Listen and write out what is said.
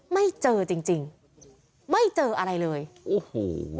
ไม่เจอจริงจริงไม่เจออะไรเลยโอ้โห